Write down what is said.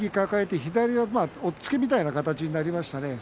左の押っつけのような形になりましたね。